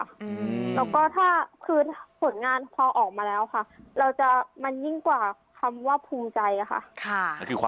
แล้วก็ถ้าคือผลงานพอออกมาแล้วค่ะเราจะมันยิ่งกว่าคำว่าภูมิใจค่ะ